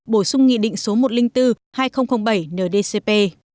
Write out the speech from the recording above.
bổ sung nghị định số một trăm linh bốn hai nghìn bảy ndcp